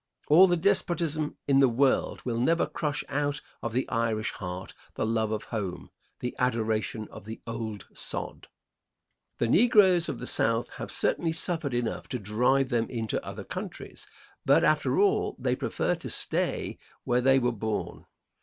All the despotism in the world will never crush out of the Irish heart the love of home the adoration of the old sod. The negroes of the South have certainly suffered enough to drive them into other countries; but after all, they prefer to stay where they were born.